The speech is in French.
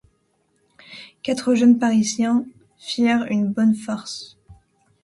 quatre jeunes Parisiens firent « une bonne farce ».